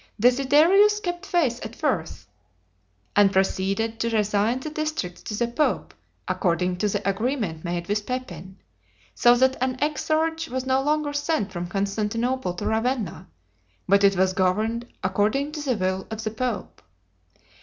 Desiderius kept faith at first, and proceeded to resign the districts to the pope, according to the agreement made with Pepin, so that an exarch was no longer sent from Constantinople to Ravenna, but it was governed according to the will of the pope.